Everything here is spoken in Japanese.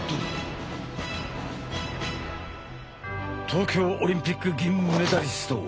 東京オリンピック銀メダリスト